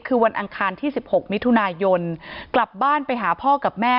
คือวันอังคารที่๑๖มิถุนายนกลับบ้านไปหาพ่อกับแม่